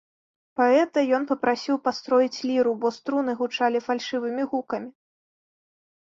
Паэта ён папрасіў пастроіць ліру, бо струны гучалі фальшывымі гукамі.